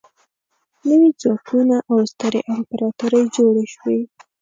نوي ځواکونه او سترې امپراطورۍ جوړې شوې.